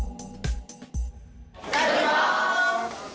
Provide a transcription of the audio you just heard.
いただきます。